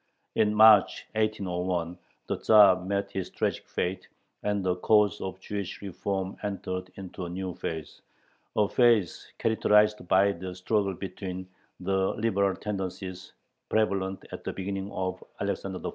In March, 1801, the Tzar met his tragic fate, and the cause of "Jewish reform" entered into a new phase, a phase characterized by the struggle between the liberal tendencies prevalent at the beginning of Alexander I.'